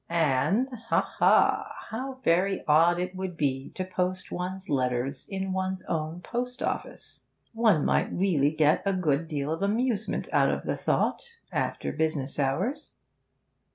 And ha, ha! how very odd it would be to post one's letters in one's own post office. One might really get a good deal of amusement out of the thought, after business hours.